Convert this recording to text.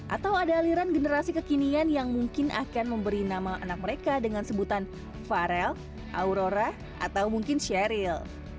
atau ada aliran generasi kekinian yang mungkin akan memberi nama anak mereka dengan sebutan farel aurora atau mungkin sheryl